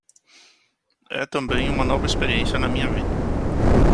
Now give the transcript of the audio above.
É também uma nova experiência na minha vida.